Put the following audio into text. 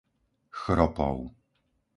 Chropov